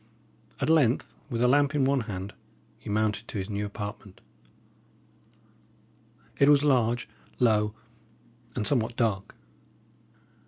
At length, with a lamp in one hand, he mounted to his new apartment. It was large, low, and somewhat dark.